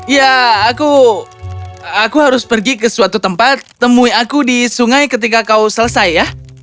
ya aku aku harus pergi ke suatu tempat temui aku di sungai ketika kau selesai ya